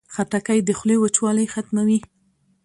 خټکۍ د خولې وچوالی ختموي.